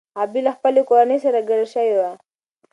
غابي له خپلې کورنۍ سره کډه شوې وه.